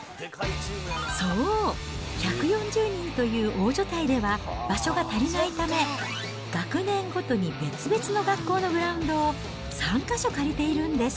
そう、１４０人という大所帯では、場所が足りないため、学年ごとに別々の学校のグラウンドを３か所借りているんです。